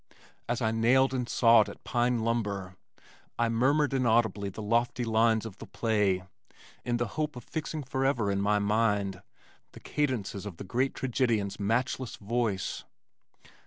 As I nailed and sawed at pine lumber, I murmured inaudibly the lofty lines of the play, in the hope of fixing forever in my mind the cadences of the great tragedian's matchless voice.